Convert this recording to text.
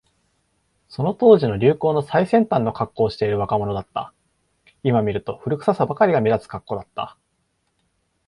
その当時の流行の最先端のカッコをしている若者だった。今見ると、古臭さばかりが目立つカッコだった。